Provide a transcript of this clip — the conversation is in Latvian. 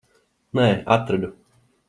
Nē, atradu.